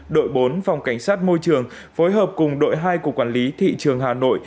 đội bốn phòng cảnh sát môi trường phối hợp cùng đội hai cục quản lý thị trường hà nội